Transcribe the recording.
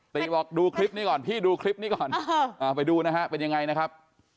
ติบอกดูคลิปนี้ก่อนพี่ดูคลิปนี้ก่อนไปดูนะฮะเป็นยังไงนะครับ